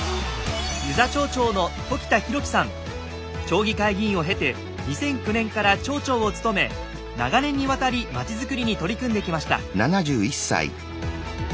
町議会議員を経て２００９年から町長を務め長年にわたり町づくりに取り組んできました。